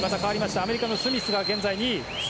アメリカのスミスが現在２位。